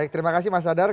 terima kasih mas hadar